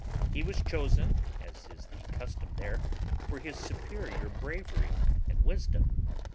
He was chosen (as is the custom there) for his superior bravery and wisdom.